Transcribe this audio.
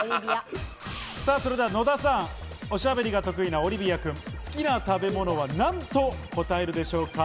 それでは野田さん、おしゃべりが得意なオリビア君が好きな食べ物はなんと答えるでしょうか。